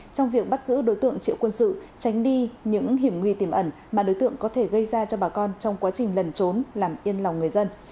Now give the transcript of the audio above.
trong việc bắt giữ đối tượng triệu quân sự tránh đi những hiểm nguy tiềm ẩn mà đối tượng có thể gây ra cho bà con trong quá trình lần trốn làm yên lòng người dân